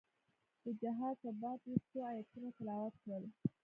د جهاد په باب يې څو ايتونه تلاوت کړل.